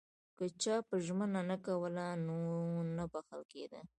که چا به ژمنه نه کوله نو نه بخښل کېده.